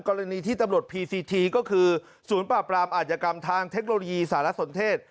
กรณีที่ตำรวจพีซีทีก็คือศูนย์ปราบรามอาจยกรรมทางเทคโนโลยีสารสนเทศ